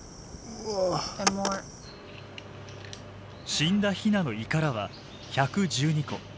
死んだヒナの胃からは１１２個。